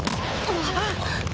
あっ！